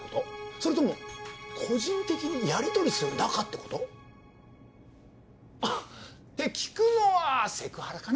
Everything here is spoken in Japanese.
それとも個人的にやりとりする仲ってこと？って聞くのはセクハラかな？